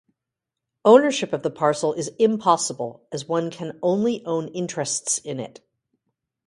Ownership of the parcel is impossible as one can only own interests in it.